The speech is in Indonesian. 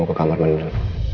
aku mau ke kamar menunggu